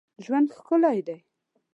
ژوند ښکلی دی.